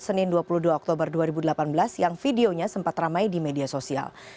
senin dua puluh dua oktober dua ribu delapan belas yang videonya sempat ramai di media sosial